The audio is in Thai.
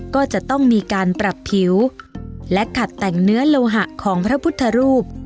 ก็จะต้องมีการปรับผิวและขัดแต่งเนื้อโลหะของพระพุทธรูป